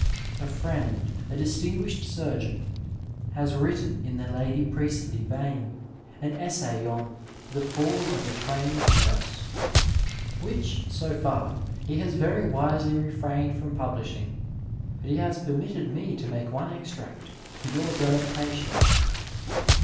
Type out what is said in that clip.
A friend, a distinguished surgeon, has written, in the iJL 161 M Digitized by Google NURSE AND PATIENT Lady Priestley vein, an essay on '' The Fall of the Trained Nuise," which, so far, he has very wisely refrained from publishing, but he has permitted me to make one extract for your delectation.